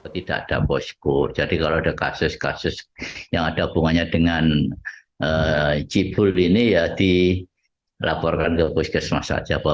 tidak ada posko jadi kalau ada kasus kasus yang ada hubungannya dengan cibul ini ya dilaporkan ke puskesmas saja